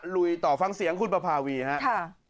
ลุยต่อฟังเสียงคุณประพาวีฮะค่ะ